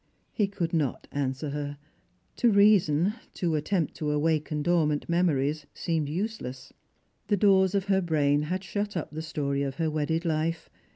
He could not answer her. To reason — to attempt to awaken dormant memories — seemed useless. The doors of her brain had shut up the story of her wedded life.